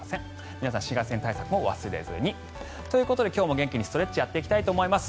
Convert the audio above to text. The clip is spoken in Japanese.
皆さん紫外線対策も忘れずに。ということで今日もストレッチをやっていきたいと思います。